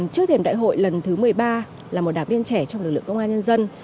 trước thềm đại hội lần thứ một mươi ba là một đảng viên trẻ trong lực lượng công an nhân dân